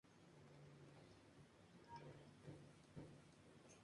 Esto llevó al fin de las negociaciones sin lograr ratificar algún acuerdo de paz.